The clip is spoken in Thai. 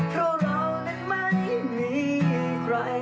เพราะเรานั้นไม่มีใคร